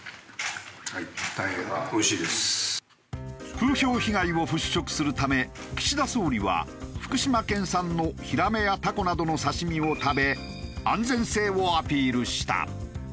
風評被害を払拭するため岸田総理は福島県産のヒラメやタコなどの刺し身を食べ安全性をアピールした。